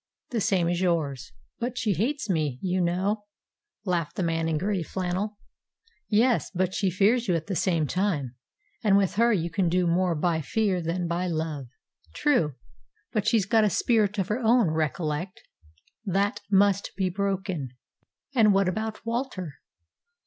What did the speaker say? "The same as yours." "But she hates me, you know," laughed the man in gray flannel. "Yes; but she fears you at the same time, and with her you can do more by fear than by love." "True. But she's got a spirit of her own, recollect." "That must be broken." "And what about Walter?"